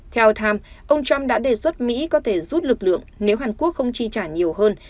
theo time ông trump đã đề xuất mỹ có thể rút lực lượng nếu hàn quốc không chi trả nhiều hơn